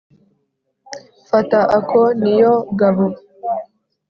Fata ako ni yo gabo.